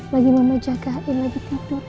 lagi mama jagain lagi tidur